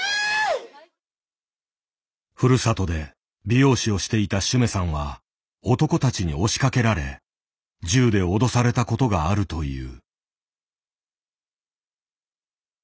ふるさとで美容師をしていたシュメさんは男たちに押しかけられ銃で脅されたことがあるという。